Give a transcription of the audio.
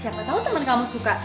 siapa tau temen kamu suka